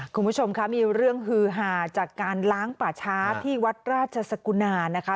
คุณผู้ชมคะมีเรื่องฮือหาจากการล้างป่าช้าที่วัดราชสกุณานะคะ